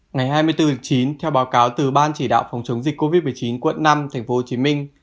ngày hai mươi bốn chín theo báo cáo từ ban chỉ đạo phòng chống dịch covid một mươi chín quận năm tp hcm